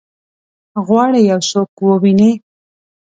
غواړي یو څوک وویني؟